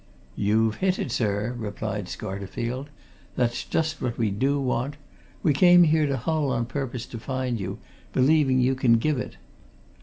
"You've hit it sir," replied Scarterfield. "That's just what we do want; we came here to Hull on purpose to find you, believing you can give it.